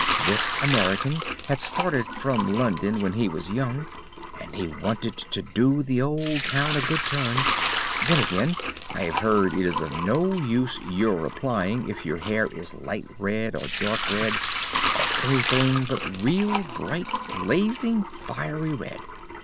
This American had started from London when he was young, and he wanted to do the old town a good turn. Then, again, I have heard it is no use your applying if your hair is light red, or dark red, or anything but real bright, blazing, fiery red.